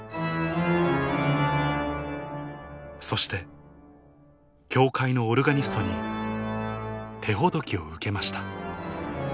そして教会のオルガニストに手ほどきを受けました